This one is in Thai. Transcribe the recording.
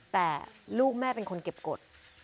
แต่ลูกแม่เป็นคนเก็บกฎ